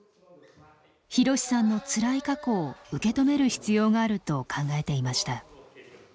ひろしさんのつらい過去を受け止める必要があると考えていました。